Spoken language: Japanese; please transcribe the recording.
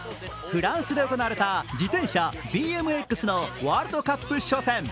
フランスで行われた自転車ＢＭＸのワールドカップ初戦。